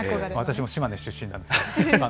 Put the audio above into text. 私も島根出身なんですよ。